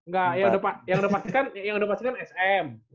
enggak yang udah pastikan sm